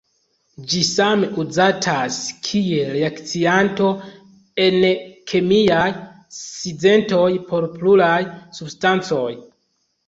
Ĝi same uzatas kiel reakcianto en kemiaj sintezoj por pluraj substancoj.